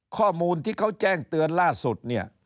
ข้อมูลที่เขาแจ้งเตือนล่าสุดเนี่ย